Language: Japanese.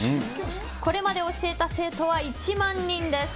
これまで教えた生徒は１万人です。